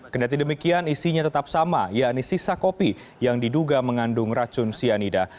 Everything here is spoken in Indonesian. kendati demikian isinya tetap sama yakni sisa kopi yang diduga mengandung racun cyanida